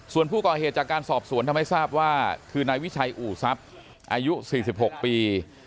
ส่วนผู้ก่อเหตุจากการสอบสวนทำให้ทราบว่าคือนายวิชัยอู่ทรัพย์อายุ๔๖ปี